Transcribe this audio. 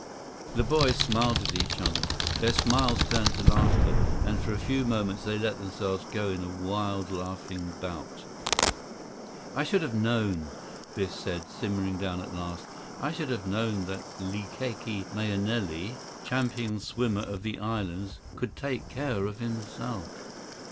The boys smiled at each other. Their smiles turned to laughter, and for a few moments they let themselves go in a wild laughing bout. 122 "I should have known," Biff said, simmering down at last. "I should have known that Likake Mahenili, champion swimmer of the Islands, could take care of himself."